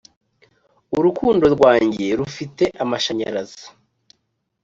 urukundo rwanjye rufite amashanyarazi